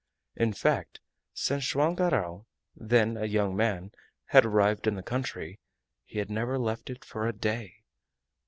In fact, since Joam Garral, then a young man, had arrived in the country, he had never left it for a day.